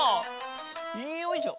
よいしょ。